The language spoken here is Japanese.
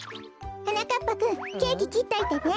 はなかっぱくんケーキきっといてね。